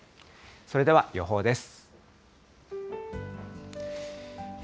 それでは予報です。